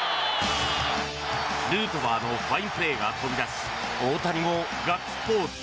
ヌートバーのファインプレーが飛び出し大谷もガッツポーズ。